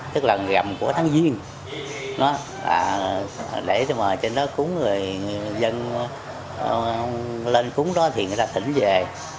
tức là lần gặm của tháng duyên để cho mời trên đó cúng người dân lên cúng đó thì người ta thỉnh về